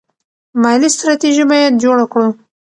مالي ستراتیژي باید جوړه کړو.